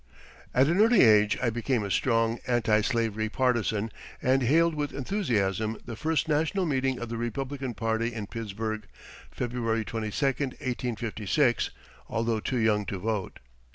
At an early age I became a strong anti slavery partisan and hailed with enthusiasm the first national meeting of the Republican Party in Pittsburgh, February 22, 1856, although too young to vote.